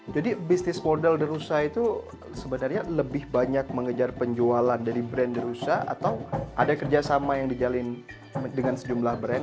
jadi bisnis modal di rusa itu sebenarnya lebih banyak mengejar penjualan dari brand di rusa atau ada kerjasama yang dijalinkan dengan sejumlah brand